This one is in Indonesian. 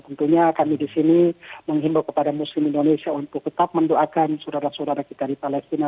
tentunya kami di sini menghimbau kepada muslim indonesia untuk tetap mendoakan saudara saudara kita di palestina